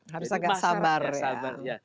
harus agak sabar ya